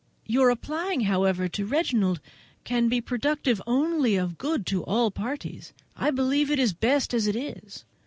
Your applying, however, to Reginald can be productive only of good to all parties. I believe it is best as it is.